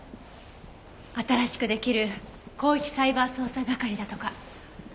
新しくできる広域サイバー捜査係だとか。